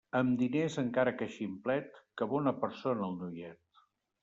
Amb diners, encara que ximplet, que bona persona el noiet!